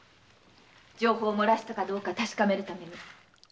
情報を漏らしたかどうか確かめるために。